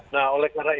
nah oleh karena itu